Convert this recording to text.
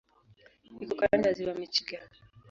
Iko kando ya Ziwa Michigan.